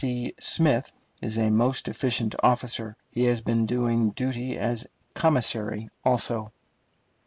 C. Smith, is a most efficient officer; he has been doing duty as commissary also.